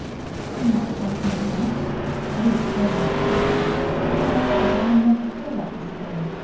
"I am not frightened tonight at least, hardly at all. If I wait I may never feel like this again.